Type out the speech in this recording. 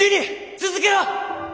続けろ！